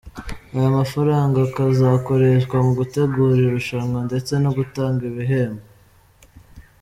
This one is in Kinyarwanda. aya mafaranga akazakoreshwa mu gutegura iri rushanwa ndetse no gutanga ibihembo.